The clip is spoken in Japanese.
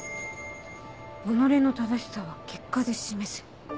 「己の正しさは結果で示せ」。